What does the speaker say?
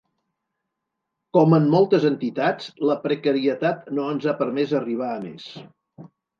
Com en moltes entitats, la precarietat no ens ha permès arribar a més.